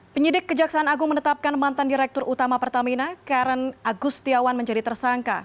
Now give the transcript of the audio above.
penyidik kejaksaan agung menetapkan mantan direktur utama pertamina karen agustiawan menjadi tersangka